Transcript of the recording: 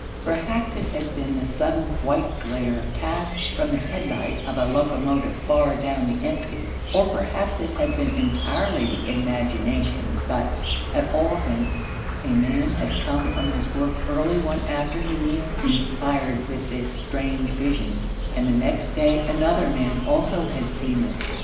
Perhaps it had been the sudden white glare cast from the headlight of a locomotive far down the entry, or perhaps it had been entirely the imagination, but, at all events, a man had come from his work early one afternoon inspired with this strange vision, and the next day another man also had seen it.